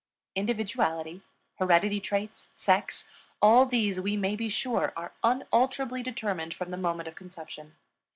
Individuality, hereditary traits, sex all these, we may be sure are unalterably determined from the moment of conception.